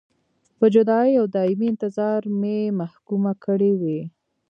په جدایۍ او دایمي انتظار مې محکومه کړې وې.